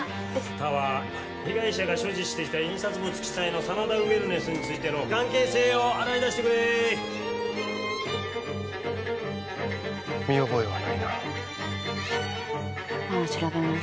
田は被害者が所持していた印刷物記載の真田ウェルネスについての関係性を洗い出してくれ見覚えはないなまっ調べます